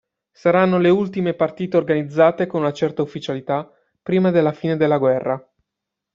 Saranno le ultime partite organizzate con una certa ufficialità prima della fine della guerra.